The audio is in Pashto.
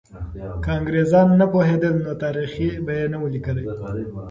که انګریزان نه پوهېدل، نو تاریخ به یې نه وو لیکلی.